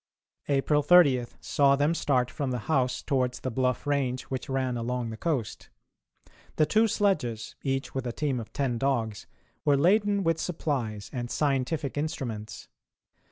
April 30 saw them start from the house towards the bluff range which ran along the coast. The two sledges, each with a team of ten dogs, were laden with supplies and scientific instruments.